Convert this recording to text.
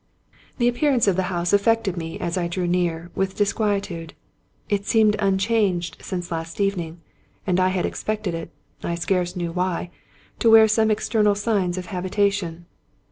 The appearance of the house aifected me, as I drew near, with disquietude. It seemed unchanged since last evening; and I had expected it, I scarce knew why, to wear some ex ternal signs of habitation.